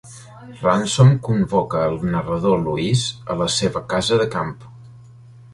Ransom convoca el narrador-Luis a la seva casa de camp.